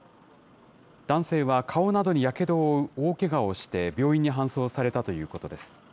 男性は顔などにやけどを負う大けがをして、病院に搬送されたということです。